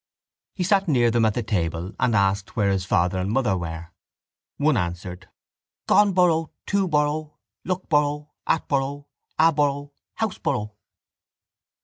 He sat near them at the table and asked where his father and mother were. One answered: —Goneboro toboro lookboro atboro aboro houseboro.